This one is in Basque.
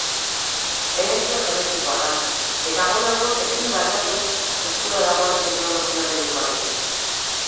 Herentzia genetikoa da, eta gaur egun ezin da aldatu eskura dagoen teknologia medikoarekin.